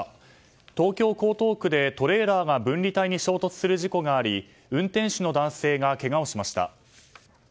東京・江東区でトレーラーが分離帯に衝突する事故があり運転手の男性がけがをしました。